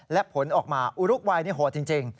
และผลออกมาอุรุกวัยนี่โหดจริง